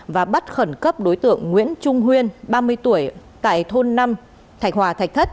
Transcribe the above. và bắt khẩn cấp đối tượng nguyễn trung huyên ba mươi tuổi tại thôn năm thạch hòa thạch thất